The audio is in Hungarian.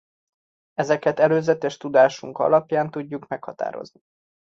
Ezeket előzetes tudásunk alapján tudjuk meghatározni.